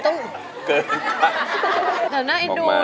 แต่หน้าไอ้ดูนะ